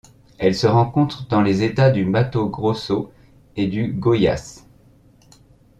Elle se rencontre dans les États du Mato Grosso et du Goiás.